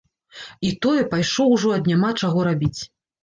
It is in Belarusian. І тое, пайшоў ужо ад няма чаго рабіць.